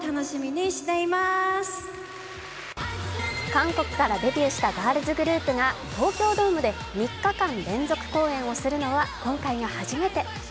韓国からデビューしたガールズグループが東京ドームで３日間連続公演をするのは今回が初めて。